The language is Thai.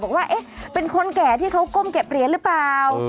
บอกว่าเป็นคนแก่ที่เขาก้มเก็บเหรียญหรือเปล่า